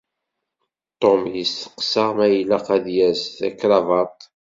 Tom yesteqsa ma ilaq ad yers takṛabaḍt.